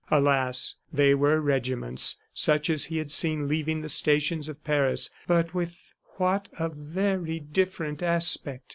Alas, they were regiments such as he had seen leaving the stations of Paris. ... But with what a very different aspect!